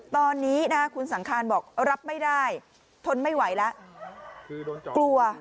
ตอนนี้นะคุณสังคารบอกรับไม่ได้ทนไม่ไหวแล้วกลัว